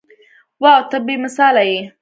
واو ته بې مثاله يې.